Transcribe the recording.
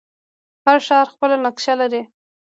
هر ښار خپله نقشه لري.